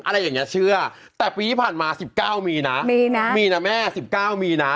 อะไรอย่างเงี้ยเชื่อแต่ปีที่ผ่านมาสิบเก้ามีนะมีนะมีนะแม่สิบเก้ามีนะ